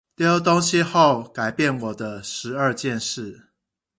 丟東西後改變我的十二件事